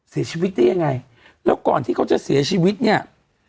เสียชีวิตได้ยังไงแล้วก่อนที่เขาจะเสียชีวิตเนี่ย